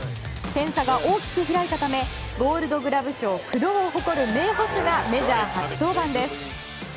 点差が大きく開いたためゴールドグラブ賞９度を誇る名捕手がメジャー初登板です。